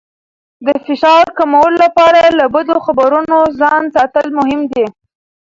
د فشار کمولو لپاره له بدو خبرونو ځان ساتل مهم دي.